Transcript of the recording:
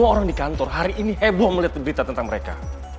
semua orang di kantor hari ini heboh melihat berita tentang mereka